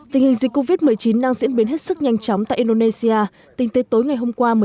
tình hình dịch covid một mươi chín đang diễn biến hết sức nhanh chóng tại indonesia tính tới tối ngày hôm qua một mươi